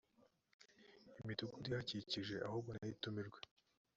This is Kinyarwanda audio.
imidugudu ihakikije ahubwo nayo itumirwe